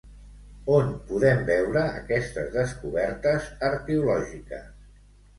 On podem veure aquestes descobertes arqueològiques?